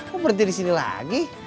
kok berhenti di sini lagi